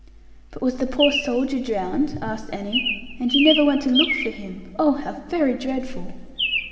'But was the poor soldier drowned?' asked Annie; 'and you never went to look for him! Oh, how very dreadful!'